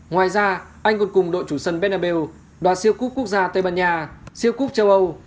ngoài ra anh còn cùng đội chủ sân bna siêu cúp quốc gia tây ban nha siêu cúp châu âu